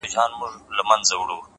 o زه يې د نوم تر يوه ټكي صدقه نه سومه ـ